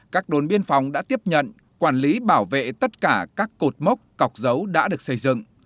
các đồn biên phòng đã tiếp nhận quản lý bảo vệ tất cả các cột mốc cọc dấu đã được xây dựng